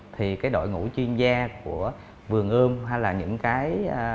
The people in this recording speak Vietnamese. thì cái đội ngũ chuyên gia của vườn ươm hay là những cái